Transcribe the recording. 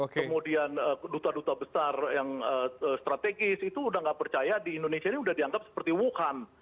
kemudian duta duta besar yang strategis itu udah nggak percaya di indonesia ini udah dianggap seperti wuhan